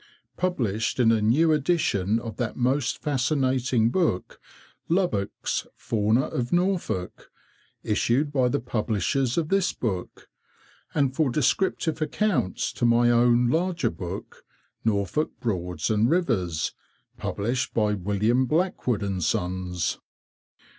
published in a new edition of that most fascinating book, Lubbock's "Fauna of Norfolk," issued by the publishers of this book, and for descriptive accounts to my own larger book, "Norfolk Broads and Rivers," published by Wm. Blackwood and Sons.